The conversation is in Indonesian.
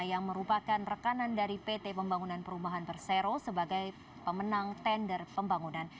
yang merupakan rekanan dari pt pembangunan perumahan persero sebagai pemenang tender pembangunan